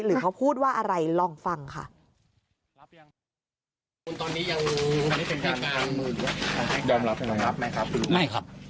หรือเขาพูดว่าอะไรลองฟังค่ะรับยังตอนนี้ยังยอมรับยังไงครับ